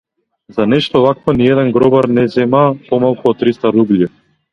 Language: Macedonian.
За нешто вакво ниеден гробар не зема помалку од триста рубљи.